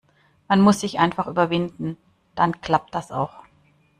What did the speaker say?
Man muss sich einfach überwinden. Dann klappt das auch.